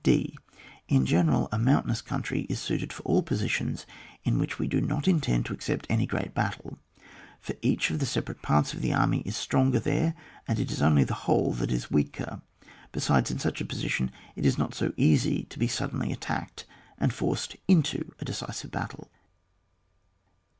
d. In general, a moimtainous country is suited for aU positions in which we do not intend to accept any great battle, for each of the separate parts of the army is stronger there, and it is only the whole that is weaker ; besides, in such a posi tion, it is not so easy to be suddenly at tacked and forced into a decisive battle.